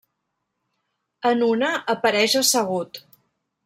En una apareix assegut.